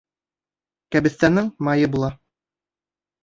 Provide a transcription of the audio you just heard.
Кәбеҫтәнең майы була.